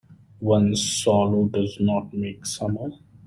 One swallow does not make a summer.